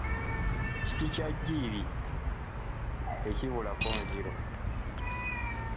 Kiti kya jjiiri, tekibulako nziro.